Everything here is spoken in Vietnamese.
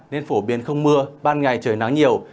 nên phổ biến không mưa ban ngày trời nắng nhiều